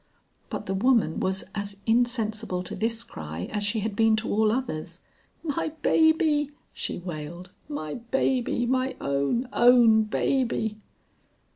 But the woman was as insensible to this cry as she had been to all others. "My baby," she wailed, "my baby, my own, own baby!"